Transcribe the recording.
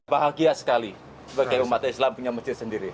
bahagia sekali sebagai umat islam punya masjid sendiri